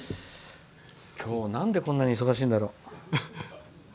今日、なんで、こんなに忙しいんだろう。